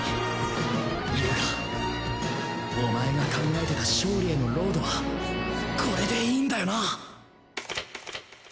遊我お前が考えてた勝利へのロードはこれでいいんだよな？